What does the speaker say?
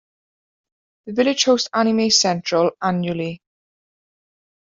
The village hosts Anime Central annually.